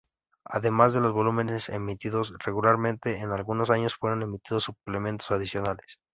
Además de los volúmenes emitidos regularmente, en algunos años, fueron emitidos suplementos adicionales.